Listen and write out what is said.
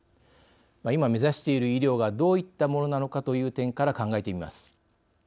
今目指している医療がどういったものなのかという点から考えてみます。